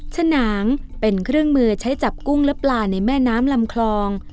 ฉนางเป็นเครื่องมือใช้จับกุ้งและปลาในแม่น้ำลำคลอง